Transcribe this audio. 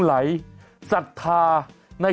จัดกระบวนพร้อมกัน